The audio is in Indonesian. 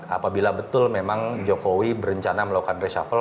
apabila betul memang jokowi berencana melakukan reshuffle